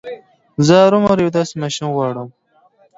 زه هرو مرو داسې يو ماشين غواړم.